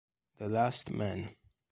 The Last Man